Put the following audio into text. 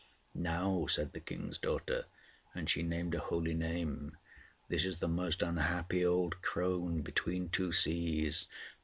"Now," said the King's daughter, and she named a holy name, "this is the most unhappy old crone between two seas."